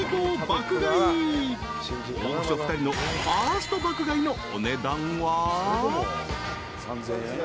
［大御所２人のファースト爆買いのお値段は］